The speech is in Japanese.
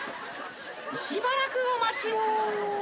しばらくお待ちを。